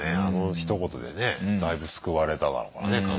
あのひと言でねだいぶ救われただろうからね